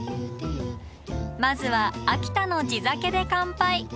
まずは秋田の地酒で乾杯！